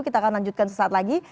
kita akan lanjutkan sesaat lagi